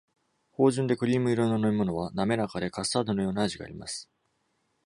芳醇でクリーム色の飲物は、なめらかで、カスタードのような味があります。